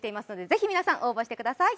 ぜひ皆さん応募してください！